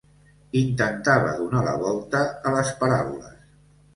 Intentava donar la volta a les paraules.